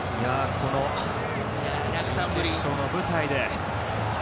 この準決勝の舞台で。